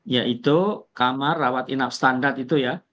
yaitu kamar raut enough standar itu ya